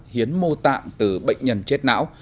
hiến mô tạng từ bệnh nhân chết não